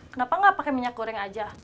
kenapa nggak pakai minyak goreng aja